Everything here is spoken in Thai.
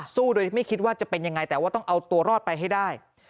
สู้โดยไม่คิดว่าจะเป็นยังไงแต่ว่าต้องเอาตัวรอดไปให้ได้